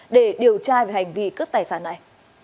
để điều tra về hành vi cướp tài sản này